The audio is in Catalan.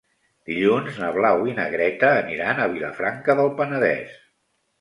Dilluns na Blau i na Greta aniran a Vilafranca del Penedès.